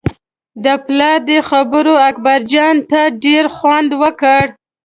د پلار دې خبرو اکبرجان ته ډېر خوند ورکړ.